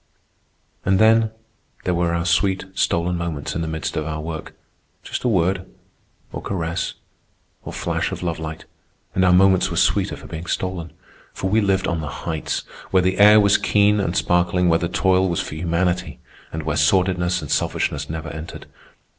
And then there were our sweet stolen moments in the midst of our work—just a word, or caress, or flash of love light; and our moments were sweeter for being stolen. For we lived on the heights, where the air was keen and sparkling, where the toil was for humanity, and where sordidness and selfishness never entered.